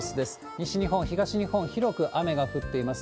西日本、東日本、広く雨が降っています。